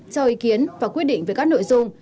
cho ý kiến và quyết định về các nội dung